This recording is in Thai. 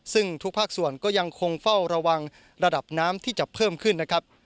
ซึ่งทุกภาคส่วนก็ยังคงเฝ้าระวังระดับน้ำที่จะเพิ่มขึ้นนะครับ